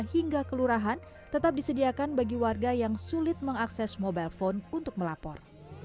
hingga kelurahan tetap disediakan bagi warga yang sulit mengakses mobile phone untuk melapor